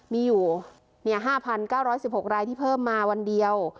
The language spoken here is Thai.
มีอยู่๕๙๑๖รายที่เพิ่มมาวันเดียว